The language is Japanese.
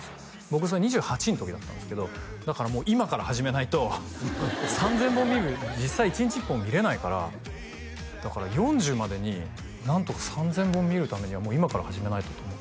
僕それ２８の時だったんですけどだから今から始めないと３０００本見る実際１日１本見れないからだから４０までに何とか３０００本見るためにはもう今から始めないとと思って何か見だしたのが